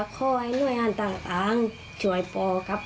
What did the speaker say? ข้อยนุยอันต่างช่วยพ่อครับ